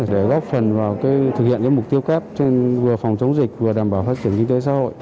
để góp phần vào thực hiện mục tiêu kép vừa phòng chống dịch vừa đảm bảo phát triển kinh tế xã hội